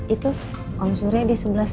itu om surya di sebelah sana